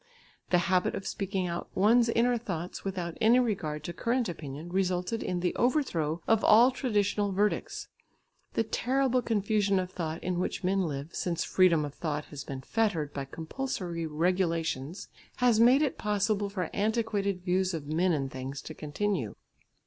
The habit of speaking out one's inner thoughts without any regard to current opinion, resulted in the overthrow of all traditional verdicts. The terrible confusion of thought in which men live, since freedom of thought has been fettered by compulsory regulations, has made it possible for antiquated views of men and things to continue.